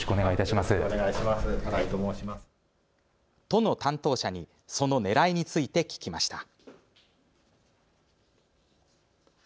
都の担当者にそのねらいについて聞きました。